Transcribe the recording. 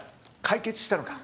解決したのか？